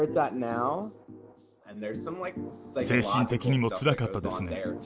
精神的にもつらかったですね。